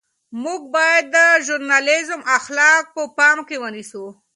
موږ باید د ژورنالیزم اخلاق په پام کې ونیسو.